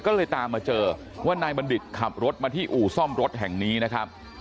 ก็เลยตามมาเจอว่านายบัณฑิตขับรถมาที่อู่ซ่อมรถแห่งนี้นะครับ